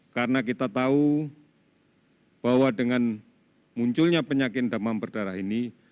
karena kita tahu bahwa dengan munculnya penyakit demam berdarah ini